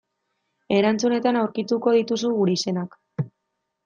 Erantzunetan aurkituko dituzu gure izenak.